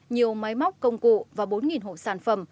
nhiều máy móc công cụ và bốn hộ sản phẩm